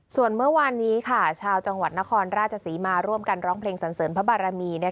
ส่วนเมื่อวานนี้ชาวจังหวัดนครราชศรีมาร่วมกันร้องเพลงสันเสริมพระบารมี